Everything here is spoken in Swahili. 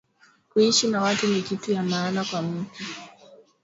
Kuishi na watu ni kitu ya maana kwa mutu